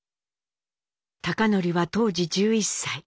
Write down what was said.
貴教は当時１１歳。